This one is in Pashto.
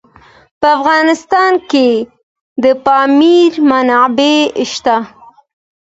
په افغانستان کې د پامیر منابع شته.